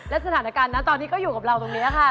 และสถานการณ์นะตอนนี้ก็อยู่กับเราตรงนี้ค่ะ